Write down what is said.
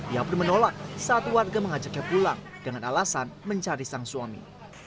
ia pun menolak saat warga mengajaknya pulang dengan alasan mencari sang suami